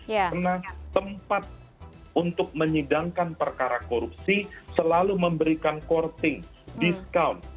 karena tempat untuk menyidangkan perkara korupsi selalu memberikan korting diskaun